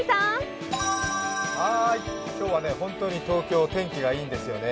今日は本当に東京天気がいいんですよね。